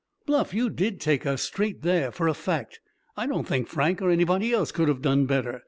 "Bluff, you did take us straight there, for a fact. I don't think Frank or anybody else could have done better!"